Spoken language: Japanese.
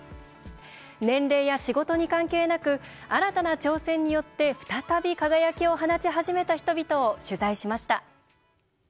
年齢や仕事に関係なく新たな挑戦によって再び輝きを放ち始めた人々を取材しました。